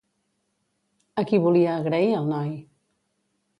A qui volia agrair el noi?